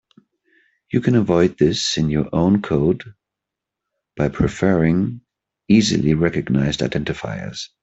You can avoid this in your own code by preferring easily recognized identifiers.